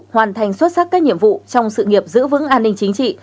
hoàn thành xuất sắc các nhiệm vụ trong sự nghiệp giữ vững an ninh chính trị